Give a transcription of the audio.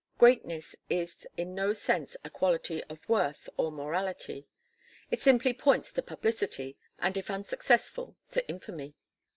Greatness is in no sense a quality of worth or morality. It simply points to publicity, and if unsuccessful, to infamy.